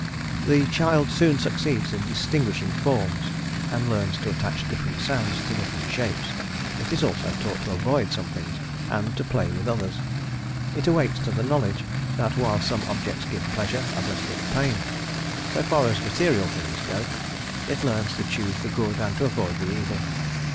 The child soon succeeds in distinguishing forms, and learns to attach different sounds to different shapes: it is also taught to avoid some things and to play with others: it awakes to the knowledge that while some objects give pleasure, others give pain: so far as material things go, it learns to choose the good and to avoid the evil.